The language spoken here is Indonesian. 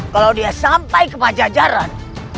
kalau dia sampai ke pajajaran